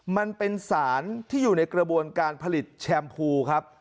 มันเป็นสารที่อยู่ในกระบวนการผลิตแชมพูครับ